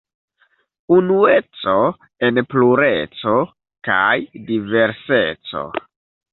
Unueco en plureco kaj diverseco.